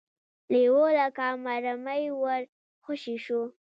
لېوه لکه مرمۍ ور خوشې شو.